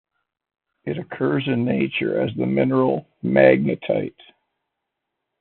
It occurs in nature as the mineral magnetite.